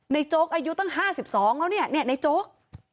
โจ๊กอายุตั้ง๕๒แล้วเนี่ยในโจ๊ก